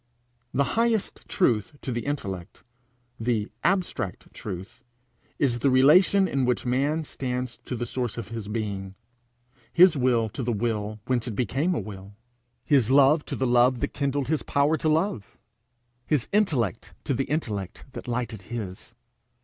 The highest truth to the intellect, the abstract truth, is the relation in which man stands to the source of his being his will to the will whence it became a will, his love to the love that kindled his power to love, his intellect to the intellect that lighted his.